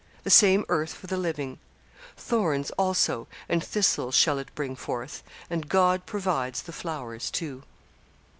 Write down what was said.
The same earth for the living. 'Thorns, also, and thistles shall it bring forth,' and God provides the flowers too.